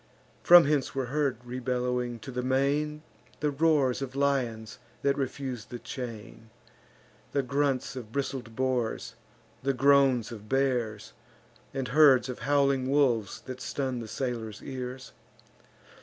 From hence were heard, rebellowing to the main, The roars of lions that refuse the chain, The grunts of bristled boars, and groans of bears, And herds of howling wolves that stun the sailors' ears.